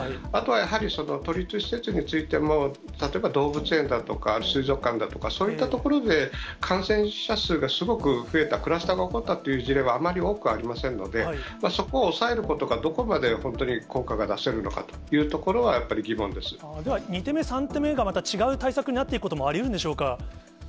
あとはやはり、都立施設についても、例えば、動物園だとか水族館だとか、そういった所で感染者数がすごく増えた、クラスターが起こったという事例はあまり多くありませんので、そこを抑えることがどこまで本当に効果が出せるのかというところでは、２手目、３手目がまた違う対策になっていくこともありうるんでしょうか。